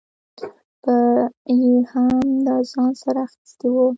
به یې هم له ځان سره اخیستې وه.